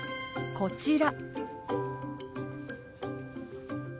こちら。